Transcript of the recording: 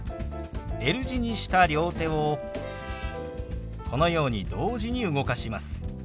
Ｌ字にした両手をこのように同時に動かします。